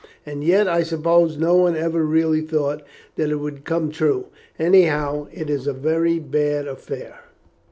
And yet I suppose no one ever really thought that it would come true; anyhow it is a very bad affair."